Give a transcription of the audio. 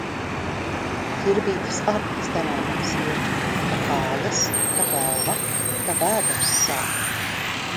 Ķirbītis ar’ stenēdams iet – ta kājas, ta galva, ta vēders sāp.